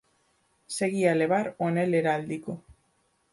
Seguía a levar o anel heráldico.